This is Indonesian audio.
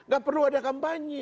gak perlu ada kampanye